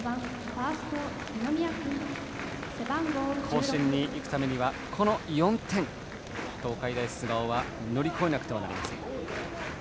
甲子園に行くためにはこの４点を東海大菅生は乗り越えなくてはなりません。